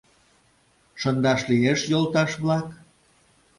— Шындаш лиеш, йолташ-влак?